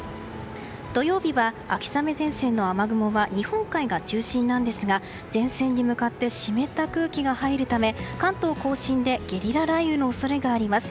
土曜日は秋雨前線の雨雲は日本海が中心なんですが前線に向かって湿った空気が入るため関東・甲信でゲリラ雷雨の恐れがあります。